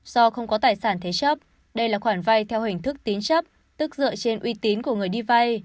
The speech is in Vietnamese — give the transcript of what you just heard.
do không có tài sản thế chấp đây là khoản vay theo hình thức tín chấp tức dựa trên uy tín của người đi vay